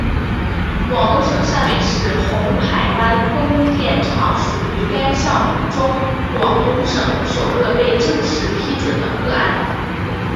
广东省汕尾市红海湾风电厂属于该项目中广东省首个被正式批准的个案。